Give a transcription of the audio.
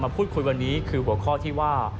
พูดคุยวันนี้คือหัวข้อที่ว่า